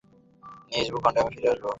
নিজ ভূখণ্ডে আমি ফিরে আসব।